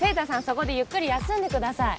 そこでゆっくり休んでください